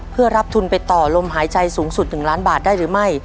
เพื่อรับทุนไปต่อลมหายใจสูงสุด๑ล้านบาทได้หรือไม่